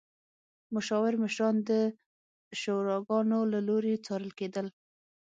مشاور مشران د شوراګانو له لوري څارل کېدل.